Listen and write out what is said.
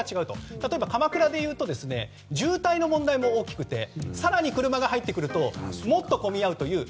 例えば鎌倉は渋滞の問題も大きくて更に車が入ってくるともっと混み合うという。